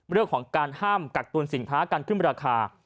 เรื่องของการห้ามกักตุลสินค้าการขึ้นราคา